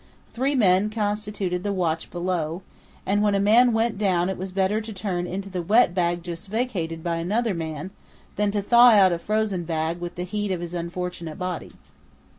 Three men constituted the watch below, and when a man went down it was better to turn into the wet bag just vacated by another man than to thaw out a frozen bag with the heat of his unfortunate body.